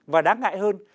và đáng ngại hơn